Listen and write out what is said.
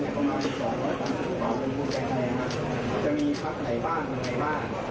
สำหรับผู้ของเขาเป็นผู้แข็งแรงจะมีทักไหนบ้างของใครบ้าง